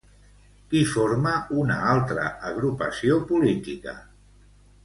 Qui forma una altra agrupació política?